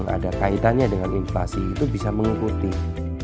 ada kaitannya dengan inflasi itu bisa mengikuti